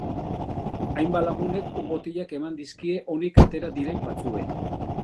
Hainbat lagunek ur-botilak eman dizkie onik atera diren batzuei.